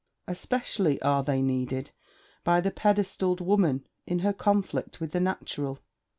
Especially are they needed by the pedestalled woman in her conflict with the natural.